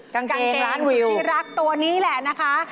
กางเกงล้านวิวที่รักตัวนี้แหละนะคะ